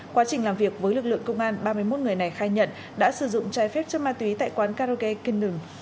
quá trình làm việc với lực lượng công an ba mươi một người này khai nhận đã sử dụng trái phép chất ma túy tại quán karaoke kingdom